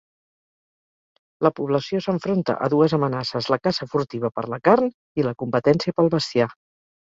La població s'enfronta a dues amenaces: la caça furtiva per la carn i la competència pel bestiar.